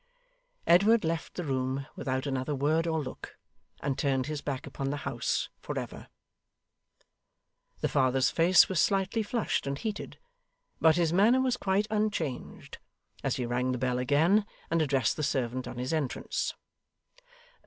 Edward left the room without another word or look, and turned his back upon the house for ever. The father's face was slightly flushed and heated, but his manner was quite unchanged, as he rang the bell again, and addressed the servant on his entrance.